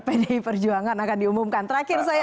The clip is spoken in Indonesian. pdi perjuangan akan diumumkan terakhir saya